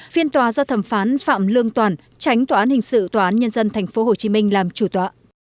phiên tòa do thẩm phán phạm lương toản tránh tòa án hình sự tòa án nhân dân tp hcm làm chủ tòa